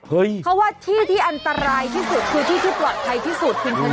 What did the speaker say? เพราะว่าที่ที่อันตรายที่สุดคือที่ที่ปลอดภัยที่สุดคุณชนะ